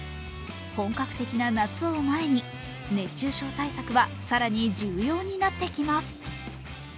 本格的な夏を前に、熱中症対策は更に重要になってきます。